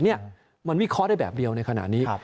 นี่มันวิเคราะห์ได้แบบเดียวในขณะนี้